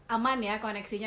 aman ya koneksinya